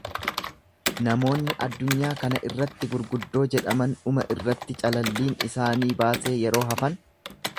Namoonni addunyaa kana irratti gurguddoo jedhaman dhuma irratti calalliin isaanii baasee yeroo hafan,